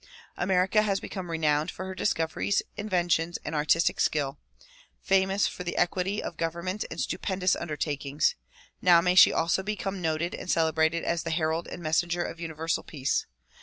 America has become renowned for her discoveries, inventions and artistic skill, famous for equity of government and stupendous undertakings; now may she also be come noted and celebrated as the herald and messenger of Universal Peace.